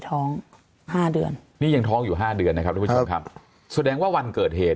ท้อง๕เดือนนี่ยังท้องอยู่๕เดือนนะครับแสดงว่าวันเกิดเหตุ